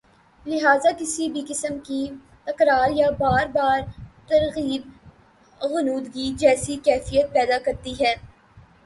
لہذا کسی بھی قسم کی تکرار یا بار بار ترغیب غنودگی جیسی کیفیت پیدا کرتی ہے